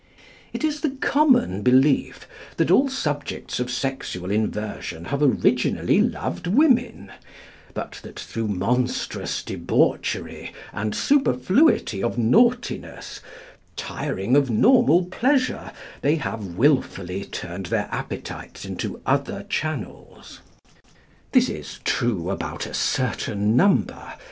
It is the common belief that all subjects of sexual inversion have originally loved women, but that, through monstrous debauchery and superfluity of naughtiness, tiring of normal pleasure, they have wilfully turned their appetites into other channels. This is true about a certain number.